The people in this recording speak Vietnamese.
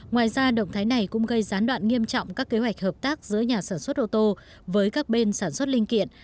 ngoài ra động thái này cũng gây gián đoạn nghiêm trọng các kế hoạch hợp tác giữa nhà sản xuất ô tô với các bên sản xuất linh kiện